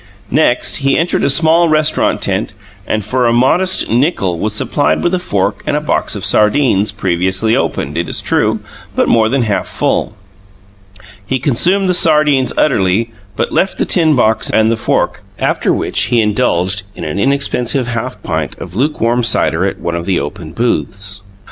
Next, he entered a small restaurant tent and for a modest nickel was supplied with a fork and a box of sardines, previously opened, it is true, but more than half full. He consumed the sardines utterly, but left the tin box and the fork, after which he indulged in an inexpensive half pint of lukewarm cider, at one of the open booths.